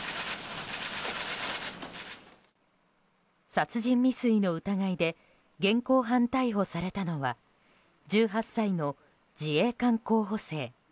殺人未遂の疑いで現行犯逮捕されたのは１８歳の自衛官候補生。